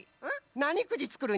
なにくじつくるんじゃ？